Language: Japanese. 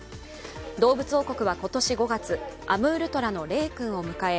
どうぶつ王国は今年５月アムールトラの令君を迎え